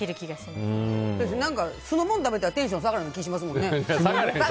酢の物食べたらテンション下がる気がしますもんね。